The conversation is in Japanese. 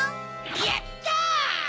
やった！